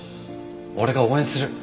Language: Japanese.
俺が応援する。